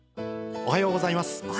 おはようございます。